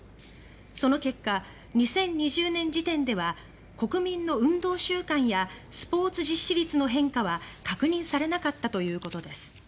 その結果、２０２０年時点では国民の運動習慣やスポーツ実施率の変化は確認されたなかったということです。